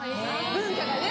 文化がね。